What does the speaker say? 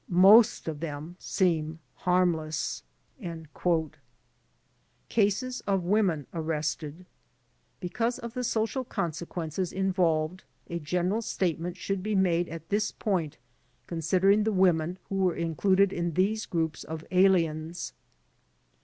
Most of them seem harmless." Cases of Women Arrested Because of the social consequences involved, a general statement should be made at this point concerning the women who were included in these groups of aliens.